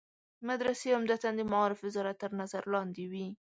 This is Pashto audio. مدرسې عمدتاً د معارف وزارت تر نظر لاندې وي.